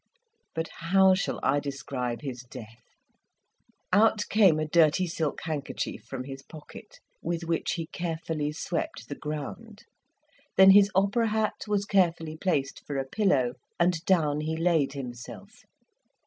But how shall I describe his death? Out came a dirty silk handkerchief from his pocket, with which he carefully swept the ground; then his opera hat was carefully placed for a pillow, and down he laid himself.